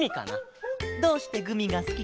どうしてグミがすきケロ？